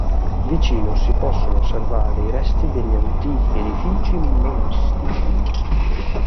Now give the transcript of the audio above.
Vicino si possono osservare i resti degli antichi edifici monastici.